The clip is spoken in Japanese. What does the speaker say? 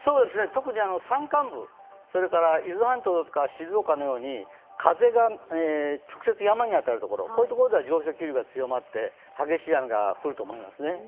特に山間部、それから伊豆半島や静岡のように風が直接山に当たる所では上昇気流が強まって激しい雨が降ると思いますね。